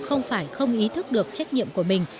không phải không ý thức được trách nhiệm của mình